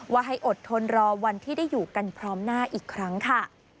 ว่าให้อดทนรอวันที่ได้อยู่กันพร้อมหน้าอีกครั้งค่ะ